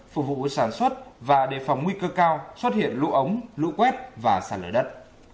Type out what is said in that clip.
phục vụ sản xuất và đề phòng nguy cơ cao xuất hiện lũ ống lũ quét và sạt lở đất